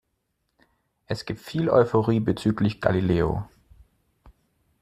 Es gibt viel Euphorie bezüglich Galileo.